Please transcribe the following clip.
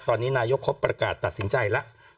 ตอนนี้นายกเขาประกาศตัดสินใจแล้ว